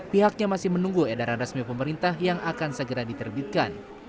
pihaknya masih menunggu edaran resmi pemerintah yang akan segera diterbitkan